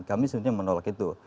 kami sebenarnya menolak itu